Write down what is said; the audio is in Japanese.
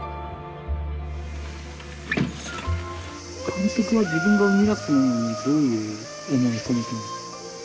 監督は自分が生み出すものにどういう思いを込めてる？